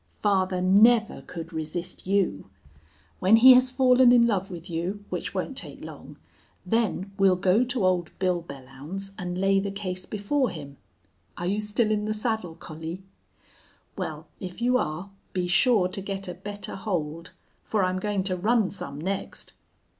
Father never could resist you. When he has fallen in love with you, which won't take long, then we'll go to old Bill Belllounds and lay the case before him. Are you still in the saddle, Collie? "Well, if you are, be sure to get a better hold, for I'm going to run some next.